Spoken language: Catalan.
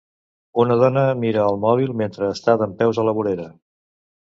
Una dona mira el mòbil mentre està dempeus a la vorera.